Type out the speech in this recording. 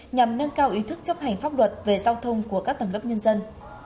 nhằm nâng cao ý thức chấp hành pháp luật về giao thông của các tầng lớp nhân dân